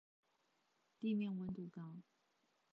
地面溫度高